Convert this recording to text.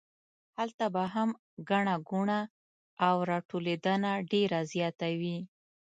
هلته به هم ګڼه ګوڼه او راټولېدنه ډېره زیاته وي.